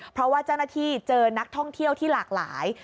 เพราะว่าเจ้าหน้าที่เจอนักท่องเที่ยวที่หลากหลาย